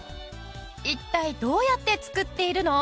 一体どうやって作っているの？